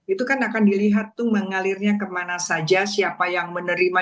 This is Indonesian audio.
itu kan akan dilihat tuh mengalirnya kemana saja siapa yang menerima